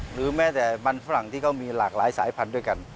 หรือแม้แต่มันฝรั่งที่เขามีหลากหลายสายพันธุ์ด้วยกัน